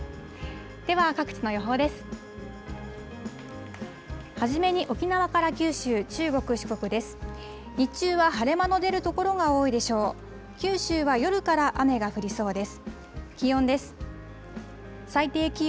では各地の予報です。